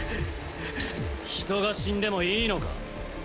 人が死んでもいいのか？